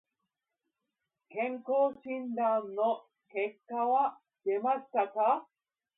健康診断の結果は出ましたか。